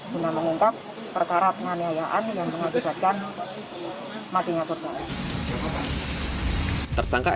guna mengetap perkara penganiayaan yang mengakibatkan matinya korban tersangka